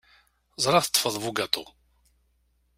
Ẓriɣ teṭṭfeḍ bugaṭu.